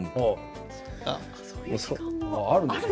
さすがにそういう時間もあるんですね。